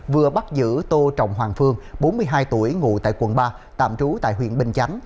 vừa bắt giữ tô trọng hoàng phương bốn mươi hai tuổi ngụ tại quận ba tạm trú tại huyện bình chánh